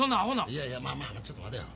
いやいやまあまあちょっと待てや。